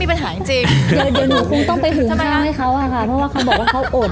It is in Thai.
เดี๋ยวหนูคงต้องไปหื้นข้าวให้เขาอะนะคะเพราะว่าเขาบอกว่าเขาอดอะ